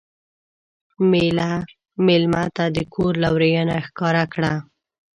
مېلمه ته د کور لورینه ښکاره کړه.